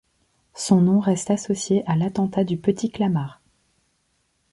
Son nom reste associé à l'attentat du Petit-Clamart.